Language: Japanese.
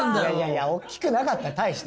いや大きくなかった大して。